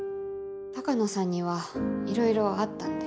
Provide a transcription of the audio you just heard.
鷹野さんにはいろいろあったんで。